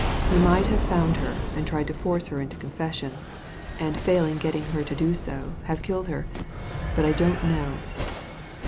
He might have found her and tried to force her into confession, and failing getting her to do so have killed her ; but I don't know."